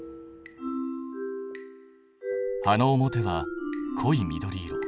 葉の表は濃い緑色。